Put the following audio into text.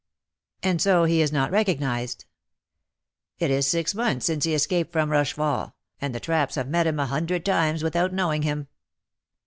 "And so he is not recognised?" "It is six months since he escaped from Rochefort, and the 'traps' have met him a hundred times without knowing him."